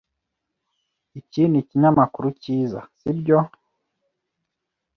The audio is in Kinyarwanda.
Iki nikinyamakuru cyiza, sibyo?